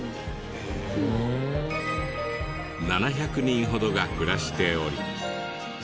７００人ほどが暮らしており。